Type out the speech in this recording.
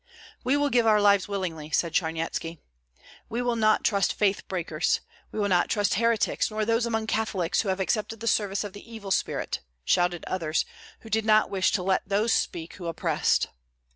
"We will give our lives willingly," said Charnyetski. "We will not trust faith breakers! We will not trust heretics, nor those among Catholics who have accepted the service of the evil spirit!" shouted others, who did not wish to let those speak who opposed.